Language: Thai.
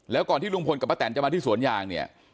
แล้วก่อนที่ลุงพลกับป้าแตนจะมาที่สวนยางเนี่ย